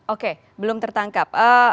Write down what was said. oke belum tertangkap